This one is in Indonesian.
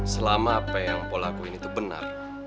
selama apa yang mpo lakuin itu benar